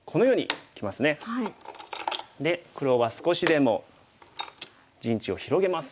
で黒は少しでも陣地を広げます。